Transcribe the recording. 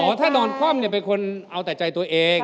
อ๋อว่าท่านอนความเนี่ยเป็นคนเอาแต่ใจตัวเอง